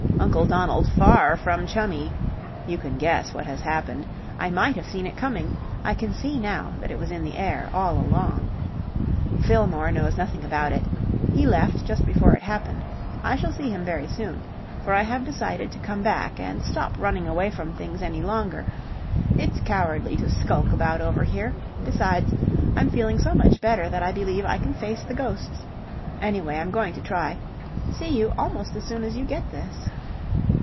Uncle Donald far from chummy. You can guess what has happened. I might have seen it coming. I can see now that it was in the air all along. Fillmore knows nothing about it. He left just before it happened. I shall see him very soon, for I have decided to come back and stop running away from things any longer. It's cowardly to skulk about over here. Besides, I'm feeling so much better that I believe I can face the ghosts. Anyway, I'm going to try. See you almost as soon as you get this.